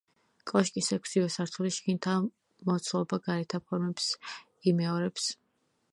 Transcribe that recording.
კოშკის ექვსივე სართული შიგნითა მოცულობა გარეთა ფორმებს იმეორებს.